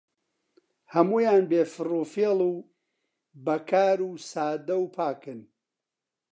هەموویان بێ فڕوفێڵ و بەکار و سادە و پاکن